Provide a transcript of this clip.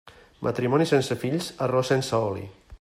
Matrimoni sense fills, arròs sense oli.